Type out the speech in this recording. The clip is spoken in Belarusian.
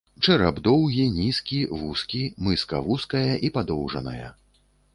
Чэрап доўгі, нізкі, вузкі, мыска вузкая і падоўжаная.